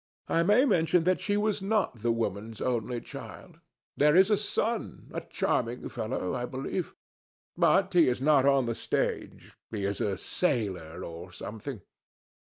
I may mention that she was not the woman's only child. There is a son, a charming fellow, I believe. But he is not on the stage. He is a sailor, or something.